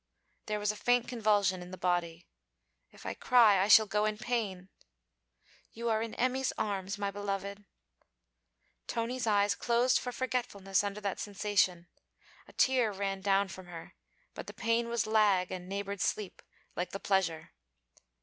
There was a faint convulsion in the body. 'If I cry, I shall go in pain.' 'You are in Emmy's arms, my beloved.' Tony's eyes closed for forgetfulness under that sensation. A tear ran down from her, but the pain was lag and neighboured sleep, like the pleasure.